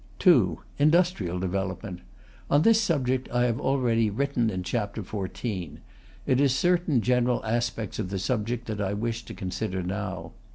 2. Industrial development. On this subject I have already written in Chap. XIV.; it is certain general aspects of the subject that I wish to consider now.